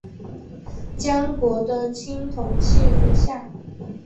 江国的青铜器如下。